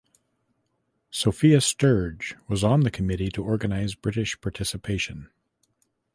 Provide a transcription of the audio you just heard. Sophia Sturge was on the Committee to organize British participation.